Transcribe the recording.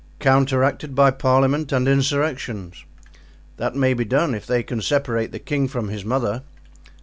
"Counteracted by parliament and insurrections." "That may be done if they can separate the king from his mother."